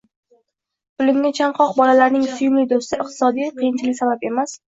bilimga chanqoq bolalarning suyumli do‘sti iqtisodiy qiyinchilik sabab emas